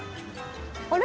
あれ？